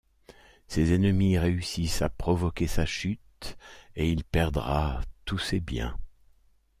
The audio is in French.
Ses ennemis réussissent à provoquer sa chute, et il perdra tous ses biens.